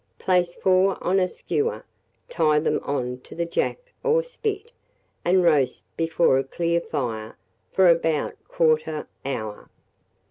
Place four on a skewer, tie them on to the jack or spit, and roast before a clear fire for about 1/4 hour.